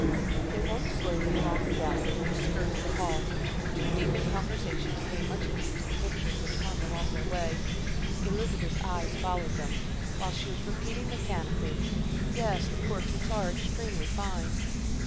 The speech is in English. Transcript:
They walked slowly along the gallery which skirted the hall, too deep in conversation to pay much heed to the pictures which hung along their way. Elizabeth's eyes followed them, the while she was repeating mechanically "Yes, the portraits are extremely fine."